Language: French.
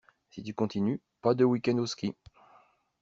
Si tu continues, pas de week-end au ski.